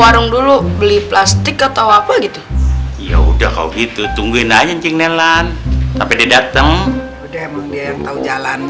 warung dulu beli plastik atau apa gitu ya udah kau gitu tungguin aja cinggilan tapi dateng jalan